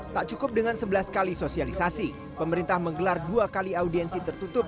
tak cukup dengan sebelas kali sosialisasi pemerintah menggelar dua kali audiensi tertutup